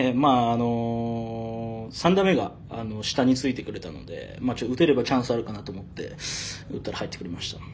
３打目が下についてくれたので打てればチャンスあるかなと思って打ったら入ってくれました。